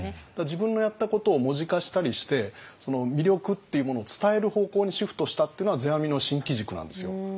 自分のやったことを文字化したりして魅力っていうものを伝える方向にシフトしたっていうのは世阿弥の新機軸なんですよ。